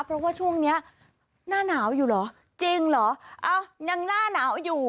เพราะว่าช่วงเนี้ยหน้าหนาวอยู่เหรอจริงเหรออ้าวยังหน้าหนาวอยู่